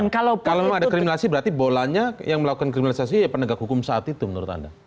kalau memang ada kriminasi berarti bolanya yang melakukan kriminalisasi ya penegak hukum saat itu menurut anda